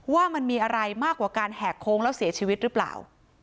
ว่ามันมีอะไรมากกว่าการแหกโค้งแล้วเสียชีวิตหรือเปล่า